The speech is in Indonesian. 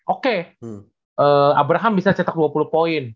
oke abraham bisa cetak dua puluh poin